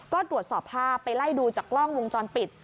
ก็ตรวจสอบภาพไปไล่ดูจากกล้องวงจรปิด